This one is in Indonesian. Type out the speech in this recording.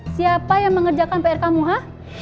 siapa yang mengerjakan pr kamu ha